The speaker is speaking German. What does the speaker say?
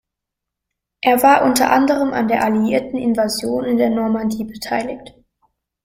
Er war unter anderem an der alliierten Invasion in der Normandie beteiligt.